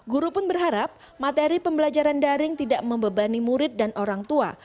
guru pun berharap materi pembelajaran daring tidak membebani murid dan orang tua